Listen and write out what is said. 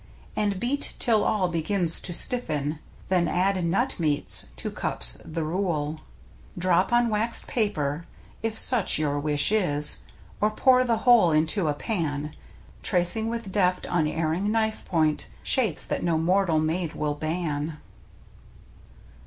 And beat till all begins to stiffen. Then add nut meats — two cups, the rule. Drop on waxed paper, if such your wish is. Or pour the whole into a pan. Tracing with deft, unerring knife point Shapes that no mortal maid will ban.